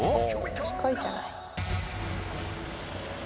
近いじゃない。